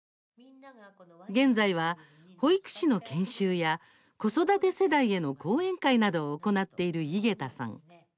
現在は、保育士の研修や子育て世代への講演会などを行っている井桁さん。